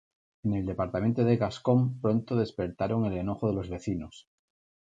En el departamento de Gascón, pronto despertaron el enojo de los vecinos.